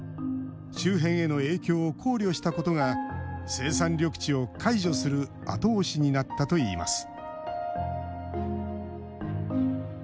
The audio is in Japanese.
周辺への影響を考慮したことが生産緑地を解除する後押しになったといいます